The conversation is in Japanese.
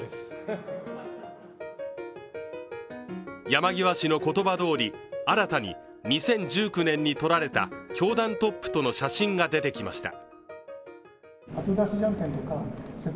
山際氏の言葉どおり、新たに２０１９年に撮られた教団トップとの写真が出てきました。